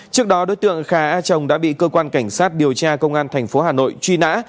trước đó đối tượng khà a chồng đã bị cơ quan cảnh sát điều tra công an thành phố hà nội truy nã